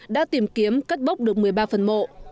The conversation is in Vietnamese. đã tìm kiếm cắt bóc được một mươi ba phần mộ